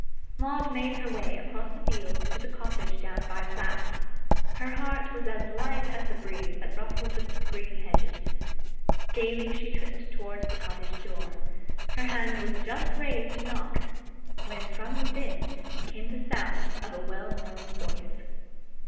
Maud made her way across the fields to the cottage down by Platt's. Her heart was as light as the breeze that ruffled the green hedges. Gaily she tripped towards the cottage door. Her hand was just raised to knock, when from within came the sound of a well known voice.